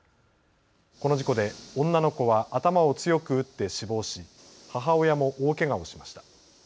この事故で女の子は頭を強く打って死亡し母親も大けがをしました。